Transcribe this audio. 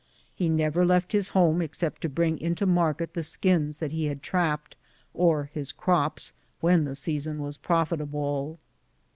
He never left his home except to bring into market tlie skins that he had trapped, or his crops, when the season was profitable.